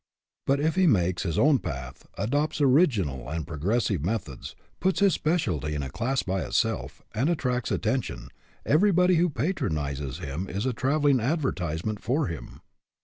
But if he makes his own path, adopts original and progressive methods, puts his specialty in a class by itself, and attracts attention, everybody who patron izes him is a traveling advertisement for him.